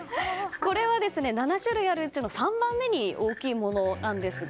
これは７種類あるうちの３番目に大きいものなんですが。